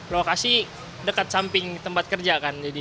lokasi dekat samping tempat kerja kan